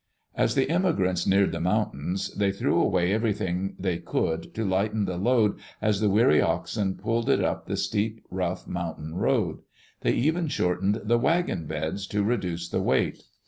As the Immigrants neared the mountains, they threw away everything they could to lighten the load as the weary oxen pulled it up the steep, rough mountain road. They even shortened the wagon beds, to reduce the weight.